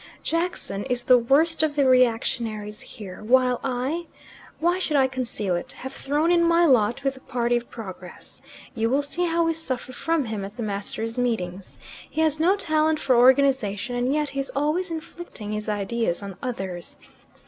"Jackson is the worst of the reactionaries here, while I why should I conceal it? have thrown in my lot with the party of progress. You will see how we suffer from him at the masters' meetings. He has no talent for organization, and yet he is always inflicting his ideas on others.